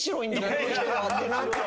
この人はってなって。